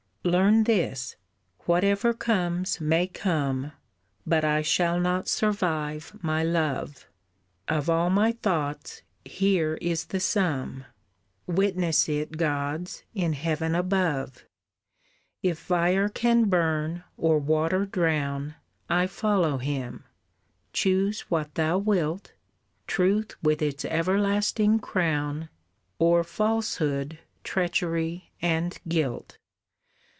"Learn this, whatever comes may come, But I shall not survive my Love, Of all my thoughts here is the sum! Witness it gods in heaven above. If fire can burn, or water drown, I follow him: choose what thou wilt, Truth with its everlasting crown, Or falsehood, treachery, and guilt.